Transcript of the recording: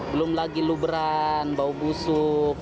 belum lagi luberan bau busuk